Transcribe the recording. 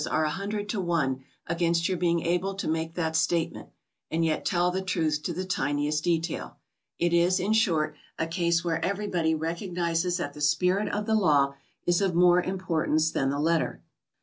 are a hundred to one against your being able to make that statement and yet tell the truth to the tiniest detail. It is, in short, a case where everybody recognizes that the spirit of the law is of more importance than the letter.